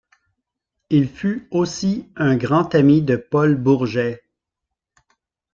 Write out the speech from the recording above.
Il fut aussi un grand ami de Paul Bourget.